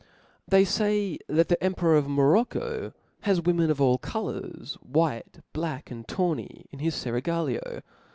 They fay, that the emperor of Morocco has wdi tinen of all coburs, white, black, and tawny, rn his feraglio.